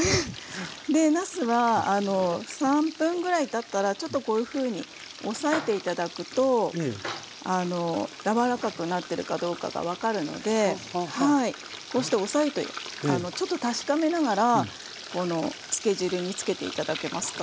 でなすは３分ぐらいたったらちょっとこういうふうに押さえて頂くとやわらかくなってるかどうかが分かるのでこうして押さえてちょっと確かめながらこのつけ汁につけて頂けますか？